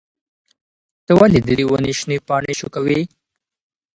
ته ولې د دې ونې شنې پاڼې شوکوې؟